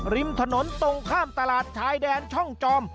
ริมถนนตรงข้ามตลาดชายแดนช่องจอม